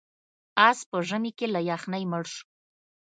اس په ژمي کې له یخنۍ مړ شو.